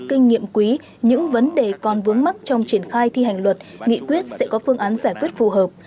kinh nghiệm quý những vấn đề còn vướng mắt trong triển khai thi hành luật nghị quyết sẽ có phương án giải quyết phù hợp